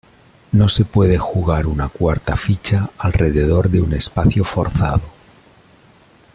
No se puede jugar una cuarta ficha alrededor de un espacio forzado.